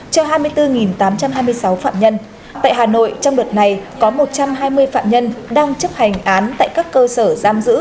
cho hai mươi bốn tám trăm hai mươi sáu phạm nhân tại hà nội trong đợt này có một trăm hai mươi phạm nhân đang chấp hành án tại các cơ sở giam giữ